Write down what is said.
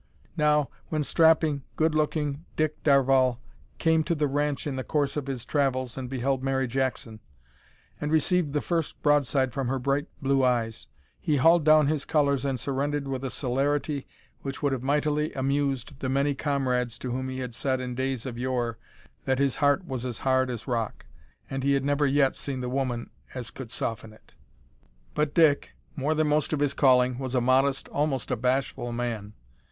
Now, when strapping, good looking Dick Darvall came to the ranch in the course of his travels and beheld Mary Jackson, and received the first broadside from her bright blue eyes, he hauled down his colours and surrendered with a celerity which would have mightily amused the many comrades to whom he had said in days of yore that his heart was as hard as rock, and he had never yet seen the woman as could soften it! But Dick, more than most of his calling, was a modest, almost a bashful, man.